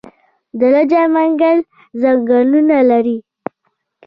د لجه منګل ځنګلونه لري